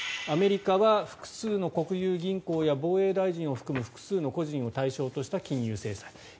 アメリカは複数の国有銀行や防衛大臣を含む複数の個人を対象とした金融制裁。